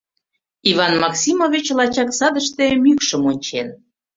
Иван Максимович лачак садыште мӱкшым ончен.